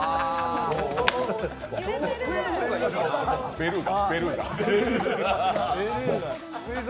ベルーガ。